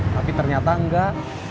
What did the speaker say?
tapi ternyata enggak